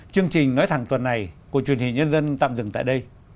chương trình nói thẳng tuần này của truyền hình nhân dân tạm dừng tại đây